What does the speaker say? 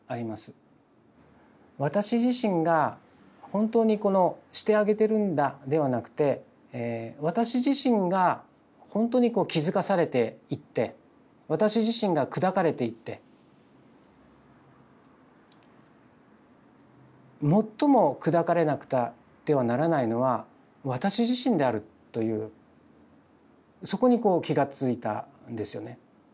私自身が本当にこの「してあげてるんだ」ではなくて私自身がほんとにこう気付かされていって私自身が砕かれていって最も砕かれなくてはならないのは私自身であるというそこにこう気が付いたんですよね。